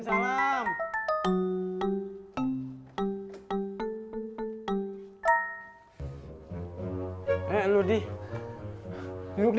jangan hal yang soufflain a jatuh saya bilang dengan kawan gurut